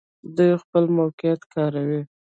دوی خپل موقعیت کاروي.